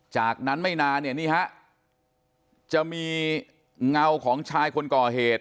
จากนั้นไม่นานเนี่ยนี่ฮะจะมีเงาของชายคนก่อเหตุ